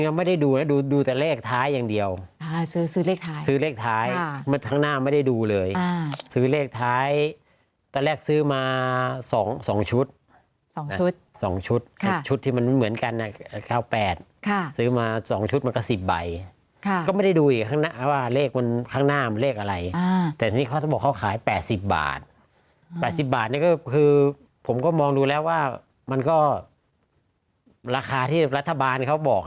ไม่ได้ดูนะดูแต่เลขท้ายอย่างเดียวซื้อซื้อเลขท้ายซื้อเลขท้ายข้างหน้าไม่ได้ดูเลยซื้อเลขท้ายตอนแรกซื้อมา๒ชุด๒ชุด๒ชุดชุดที่มันเหมือนกันนะ๙๘ซื้อมา๒ชุดมันก็๑๐ใบก็ไม่ได้ดูอีกข้างหน้าว่าเลขมันข้างหน้ามันเลขอะไรแต่นี่เขาต้องบอกเขาขาย๘๐บาท๘๐บาทนี่ก็คือผมก็มองดูแล้วว่ามันก็ราคาที่รัฐบาลเขาบอก